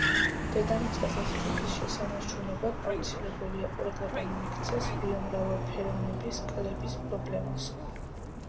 დედამიწაზე სიცოცხლის შესანარჩუნებლად აუცილებელია ყურადღება მიექცეს ბიომრავალფეროვნების კლების პრობლემას